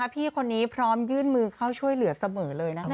พี่คนนี้พร้อมยื่นมือเข้าช่วยเหลือเสมอเลยนะคะ